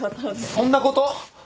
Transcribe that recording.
そんなこと？